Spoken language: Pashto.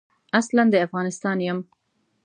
اصلاً د افغانستان یم.